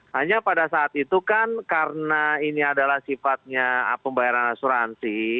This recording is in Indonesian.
hanya pada saat itu kan karena ini adalah sifatnya pembayaran asuransi